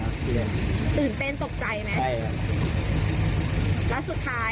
ก็ไม่กลัวเราคิดว่าเป็นร่วมแล้วเราทำยังไงต่อ